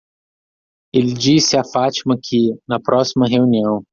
Ele disse a Fátima que? na próxima reunião.